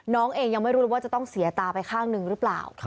น้องเองยังไม่รู้เลยว่าจะต้องเสียตาไปข้างหนึ่งหรือเปล่า